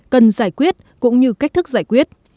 cần giải quyết cũng như cách thức giải quyết